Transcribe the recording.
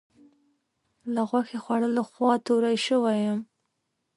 له غوښې خوړلو خوا توری شوم.